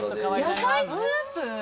野菜スープ？